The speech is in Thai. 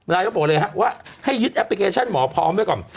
เขาบอกเลยฮะว่าให้ยึดแอปพลิเคชันหมอพร้อมไว้ก่อน